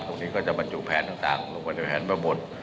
ตรงนี้ก็จะบรรจุแผนต่างหลังหวัดแถมกระบท